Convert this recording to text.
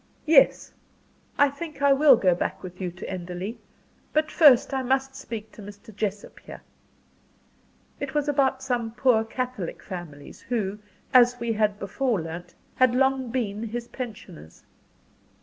"Yes I think I will go back with you to Enderley. But first I must speak to Mr. Jessop here." It was about some poor Catholic families, who, as we had before learnt, had long been his pensioners.